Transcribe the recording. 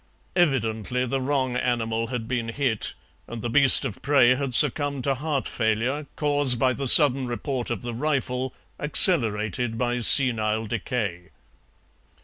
Evidently the wrong animal had been hit, and the beast of prey had succumbed to heart failure, caused by the sudden report of the rifle, accelerated by senile decay.